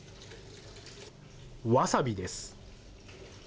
わさびです。